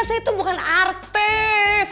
saya tuh bukan artis